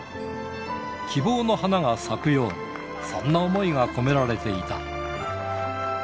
希望の花が咲くように、そんな想いが込められていた。